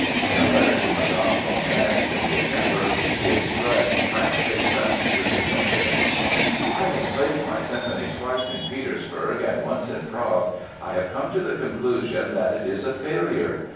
In a letter to Mme. von Meck in December he expressed frank disgust with the symphony: "Having played my symphony twice in Petersburg and once in Prague, I have come to the conclusion that it is a failure.